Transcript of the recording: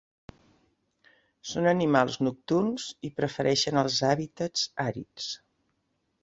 Són animals nocturns i prefereixen els hàbitats àrids.